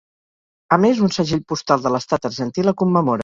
A més un segell postal de l'Estat Argentí la commemora.